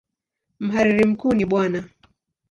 Mhariri mkuu ni Bw.